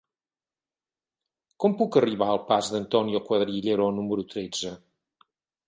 Com puc arribar al pas d'Antonio Cuadrillero número tretze?